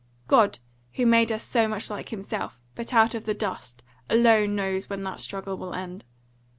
God, who made us so much like himself, but out of the dust, alone knows when that struggle will end.